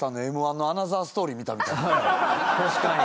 確かに！